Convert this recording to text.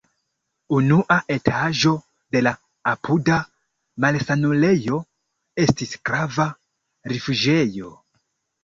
Unua etaĝo de la apuda malsanulejo estis grava rifuĝejo.